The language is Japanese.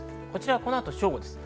この後正午です。